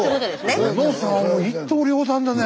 小野さんは一刀両断だね。